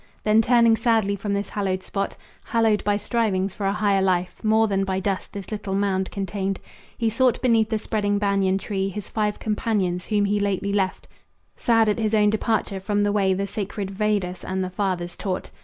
Then turning sadly from this hallowed spot Hallowed by strivings for a higher life More than by dust this little mound contained He sought beneath the spreading banyan tree His five companions, whom he lately left Sad at his own departure from the way The sacred Vedas and the fathers taught.